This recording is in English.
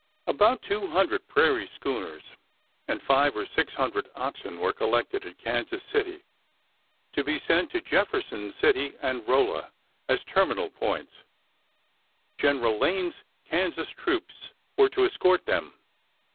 About two hundred prairie schooners " and five or six hundred oxen were collected at Kansas City to be sent to Jefferson City and Rolla as terminal points. General Lane's Kansas troops were to escort them.